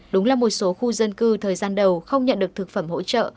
đúng là một số khu dân cư thời gian đầu không nhận được thực phẩm hỗ trợ